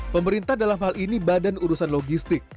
pemerintah dalam hal ini badan urusan logistik